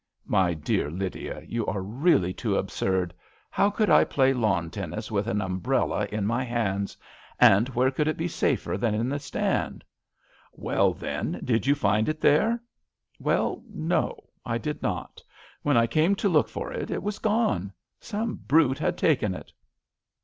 " My dear Lydia, you are really too absurd. How could I play lawn tennis with an um brella in my hands? and where could it be safer than in the stand ?" "Well, then, did you find it there ?"" Well, no, I did not. When I came to look for it it was gone. Some brute had taken it."